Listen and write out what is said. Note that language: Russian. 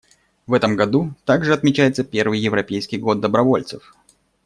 В этом году также отмечается первый Европейский год добровольцев.